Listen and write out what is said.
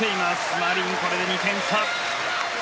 マリン、これで２点差。